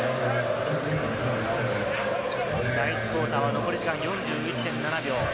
第１クオーターは残り時間４１．７秒。